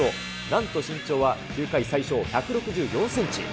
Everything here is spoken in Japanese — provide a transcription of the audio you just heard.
なんと身長は球界最小１６４センチ。